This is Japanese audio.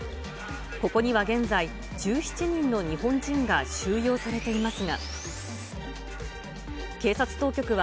ここには現在、１７人の日本人が収容されていますが、警察当局は、